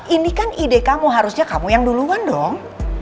ini kan ide kamu harusnya kamu yang duluan dong